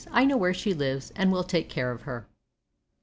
I know where she lives, and will take care of her."